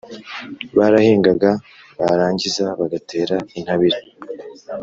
Barahingaga barangiza bagatera intabire,